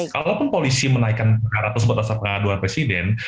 kalaupun polisi menaikkan harap tersebut asal pengaduan presiden